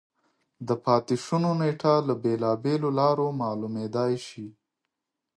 د پاتې شونو نېټه له بېلابېلو لارو معلومېدای شي.